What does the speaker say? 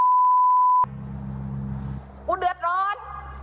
กูเดือดร้อน